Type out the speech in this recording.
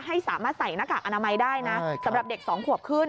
ให้สามารถใส่หน้ากากอนามัยได้นะสำหรับเด็ก๒ขวบขึ้น